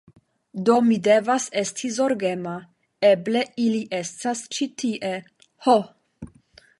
Do mi devas esti zorgema. Eble ili estas ĉi tie! Ho!